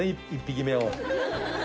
１匹目を。